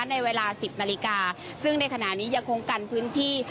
ในเวลาสิบนาฬิกาซึ่งในขณะนี้ยังคงกันพื้นที่